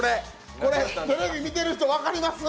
テレビ見てる人分かります？